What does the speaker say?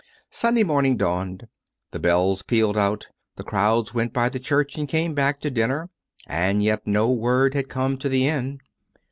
..." Sunday morning dawned; the bells pealed out; the crowds went by the church and came back to dinner; and yet no word had come to the inn.